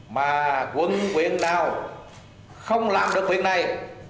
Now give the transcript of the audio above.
mà quân quyền nào không làm được quyền này